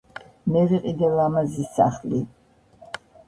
მე ვიყიდე ლამაზი სახლი